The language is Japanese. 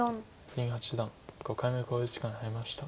林八段５回目の考慮時間に入りました。